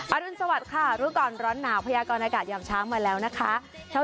อรุณสวัสดิ์ค่ะรู้ก่อนร้อนหนาวพยากรอากาศยามช้างมาแล้วนะคะ